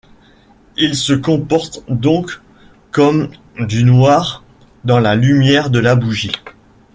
Il se comporte donc comme du noir dans la lumière de la bougie.